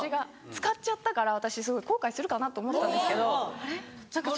使っちゃったから私すごい後悔するかなと思ったんですけど。